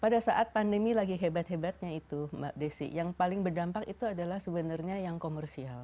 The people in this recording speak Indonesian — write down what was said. pada saat pandemi lagi hebat hebatnya itu mbak desi yang paling berdampak itu adalah sebenarnya yang komersial